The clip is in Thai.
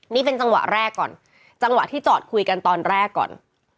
นี่เป็นจังหวะแรกก่อนจังหวะที่จอดคุยกันตอนแรกก่อน